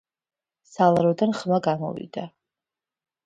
სალაროდან ხმა გამოვიდა